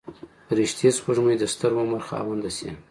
فرشته سپوږمۍ د دستر عمر خاونده شي.